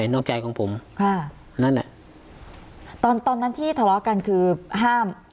นอกใจของผมค่ะนั่นแหละตอนตอนนั้นที่ทะเลาะกันคือห้าม